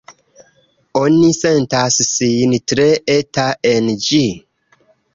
Oni sentas sin tre eta en ĝi.